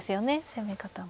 攻め方も。